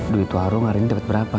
duit warung hari ini dapat berapa